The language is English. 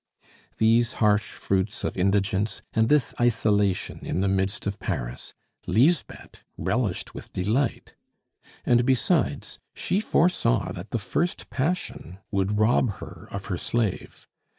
These harsh fruits of indigence, and this isolation in the midst of Paris, Lisbeth relished with delight. And besides, she foresaw that the first passion would rob her of her slave.